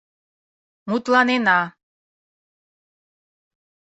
— Мутланена.